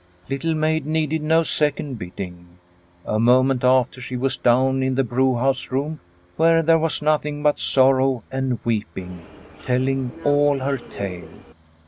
Little Maid needed no second bidding. A moment after she was down in the brewhouse room where there was nothing but sorrow and weeping, telling all her tale.